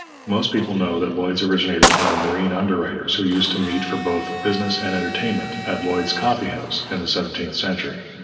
Most people know that Lloyd's originated from the marine underwriters who used to meet for both business and entertainment at Lloyd's coffee house in the seventeenth century.